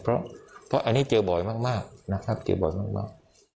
เพราะอันนี้เจอบ่อยมากนะครับเจอบ่อยมาก